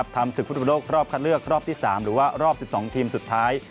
ทำศึกฟุตบอลโลกรอบคัดเลือกรอบที่๓หรือว่ารอบ๑๒ทีมสุดท้าย